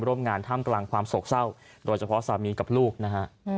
ร่วมงานถ้ำกำกลางความสกเศร้าโดยเฉพาะสามีและกับลูกนะครับ